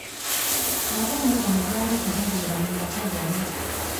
Abaana bano baali tebabeera mu maka gamu.